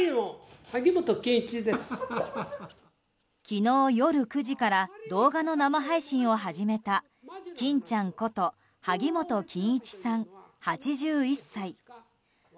昨日夜９時から動画の生配信を始めた欽ちゃんこと萩本欽一さん、８１歳。